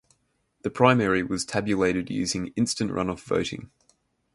The primary was tabulated using instant runoff voting.